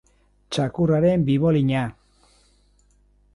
Txakurraren bibolina!